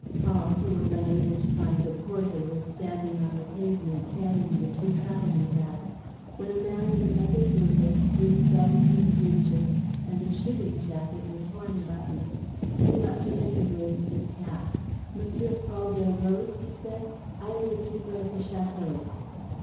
Paul, who was unable to find a porter, was standing on the pavement, carrying the two traveling bags, when a man in leather gaiters, green velveteen breeches and a shooting jacket with horn buttons, came up to him and raised his cap: "M. Paul Delroze?" he said. "I am the keeper at the château."